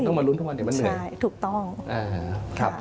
มารุ้นทุกวันเดี๋ยวมันเหนื่อยใช่ถูกต้องอ่าครับ